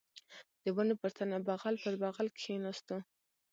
د ونې پر تنه بغل پر بغل کښېناستو.